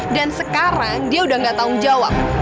dan sekarang dia udah nggak tahu jawab